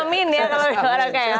amin ya kalau dikurangkan ya